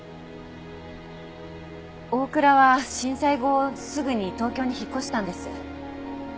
大倉は震災後すぐに東京に引っ越したんです。